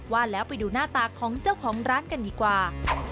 ว่าแล้วไปดูหน้าตาของเจ้าของร้านกันดีกว่า